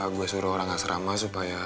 gue suruh orang asrama supaya